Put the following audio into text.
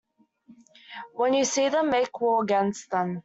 When you see them make war against them.